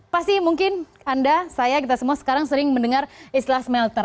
pasti mungkin anda saya kita semua sekarang sering mendengar istilah smelter